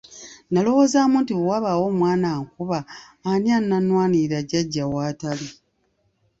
Nalowoozaamu nti bwe wabaawo omwana ankuba ani anannwanirira jjajja w'atali?